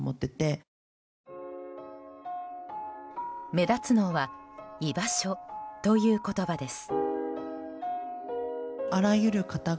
目立つのは居場所という言葉です。